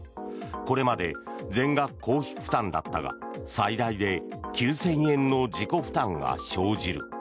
これまで全額公費負担だったが最大で９０００円の自己負担が生じる。